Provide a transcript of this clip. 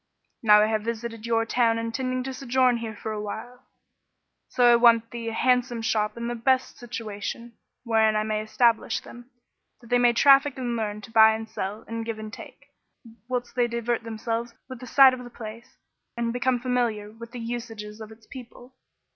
Now I have visited your town intending to sojourn here for a while; so I want of thee a handsome shop in the best situation, wherein I may establish them, that they may traffic and learn to buy and sell and give and take, whilst they divert themselves with the sight of the place, and be come familiar with the usages of its people."